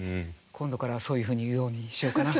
今度からはそういうふうに言うようにしようかな。